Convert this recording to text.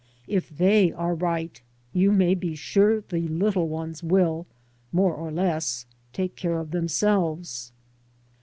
If they are right, you may be sure the little ones will, more or less, take care of themselves.